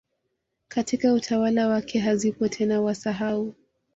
katika utawala wake hazipo tena Wasahau